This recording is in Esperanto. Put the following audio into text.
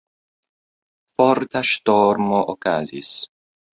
Forta ŝtormo okazis.